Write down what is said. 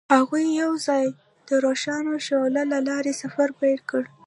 هغوی یوځای د روښانه شعله له لارې سفر پیل کړ.